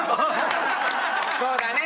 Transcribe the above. そうだね。